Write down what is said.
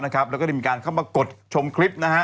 แล้วก็ได้มีการเข้ามากดชมคลิปนะฮะ